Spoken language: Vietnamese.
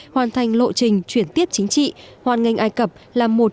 hoàn thành lộ trình chuyển tiếp chính trị hoàn ngành ai cập là một